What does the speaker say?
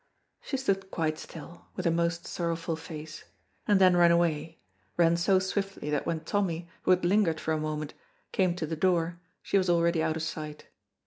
She stood quite still, with a most sorrowful face, and then ran away, ran so swiftly that when Tommy, who had lingered for a moment, came to the door she was already out of sight.